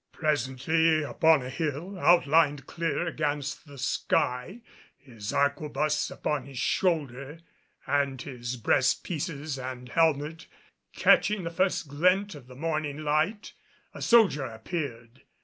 Presently, upon a hill, outlined clear against the sky, his arquebus upon his shoulder and his breastpieces and helmet catching the first glint of the morning light, a soldier appeared.